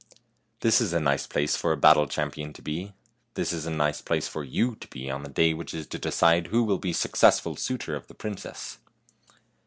" This is a nice place for a battle champion to be. This is a nice place for you to be on the day which is to decide who will be the successful suitor of the princess."